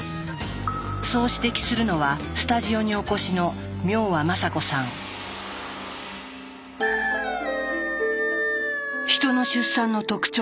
そう指摘するのはスタジオにお越しのヒトの出産の特徴とは何か？